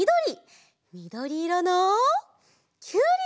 みどりいろのきゅうり！